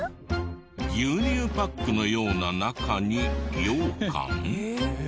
牛乳パックのような中にようかん？